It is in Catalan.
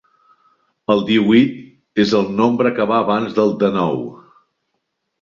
El díhuit és el nombre que va abans del dènou.